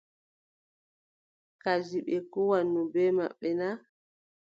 Kadi koo ɓe kuwanno bee maɓɓe na ?